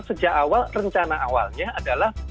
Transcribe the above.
sejak awal rencana awalnya adalah